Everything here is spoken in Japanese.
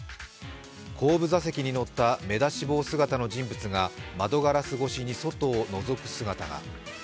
後部座席に乗った目出し帽姿の人物が窓ガラス越しに外をのぞく姿が。